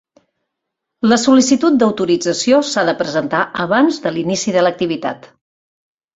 La sol·licitud d'autorització s'ha de presentar abans de l'inici de l'activitat.